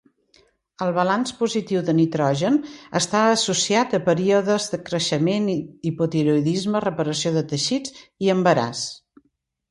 El balanç positiu de nitrogen està associat a períodes de creixement, hipotiroïdisme, reparació de teixits i embaràs.